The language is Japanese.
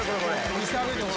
見せてあげて。